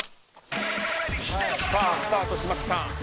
さあ、スタートしました。